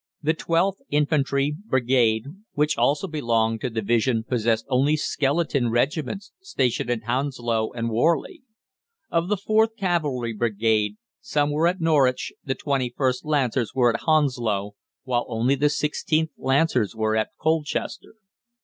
The 12th Infantry Brigade, which also belonged to the division, possessed only skeleton regiments stationed at Hounslow and Warley. Of the 4th Cavalry Brigade, some were at Norwich, the 21st Lancers were at Hounslow, while only the 16th Lancers were at Colchester.